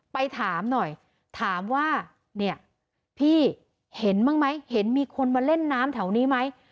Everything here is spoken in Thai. ไปถามหน่อยถามว่าเนี่ยพี่เห็นบ้างไหมเห็นมีคนมาเล่นน้ำแถวนี้ไหม